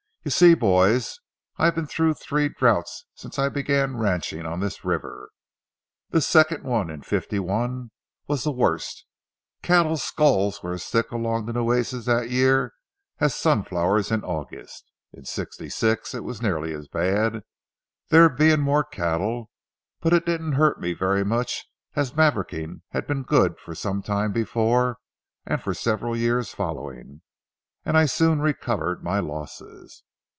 "You see, boys, I've been through three drouths since I began ranching on this river. The second one, in '51, was the worst; cattle skulls were as thick along the Nueces that year as sunflowers in August. In '66 it was nearly as bad, there being more cattle; but it didn't hurt me very much, as mavericking had been good for some time before and for several years following, and I soon recovered my losses.